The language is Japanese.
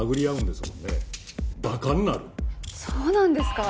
そうなんですか？